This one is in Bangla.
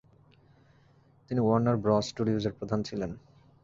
তিনি ওয়ার্নার ব্রস. স্টুডিওজের প্রধান ছিলেন।